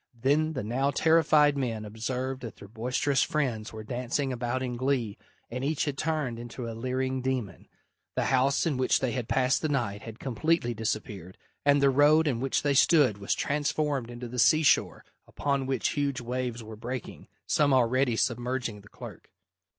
Then the now terrified men observed that their boisterous friends were dancing about in glee and each had turned into a leering demon. The house in which they had passed the night had completely disappeared, and the road in which they stood was transformed into the sea shore, upon which huge waves were breaking, some already submerging the clerk.